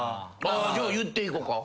じゃあ言っていこか。